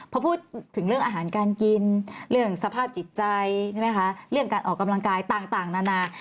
พอพูดถึงเรื่องอาหารการกินเรื่องสภาพจิตใจใช่ไหมคะเรื่องการออกกำลังกายต่างนานา